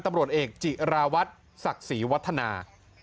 ตำรวจเอกจิราวัตรศักดิ์ศรีวัฒนา